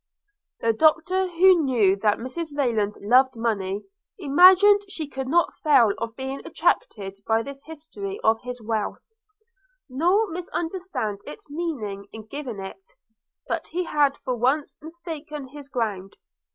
The Doctor, who knew that Mrs Rayland loved money, imagined she could not fail of being attracted by this history of his wealth, nor misunderstand his meaning in giving it: but he had for once mistaken his ground.